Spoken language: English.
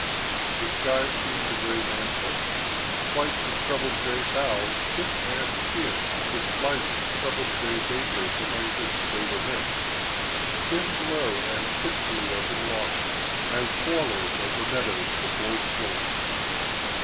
The sky seemed a gray surtout. Flights of troubled gray fowl, kith and kin with flights of troubled gray vapors among which they were mixed, skimmed low and fitfully over the waters, as swallows over meadows before storms.